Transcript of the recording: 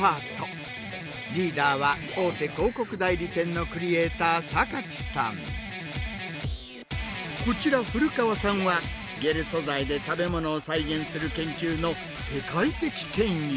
リーダーは大手広告代理店のこちら古川さんはゲル素材で食べ物を再現する研究の世界的権威。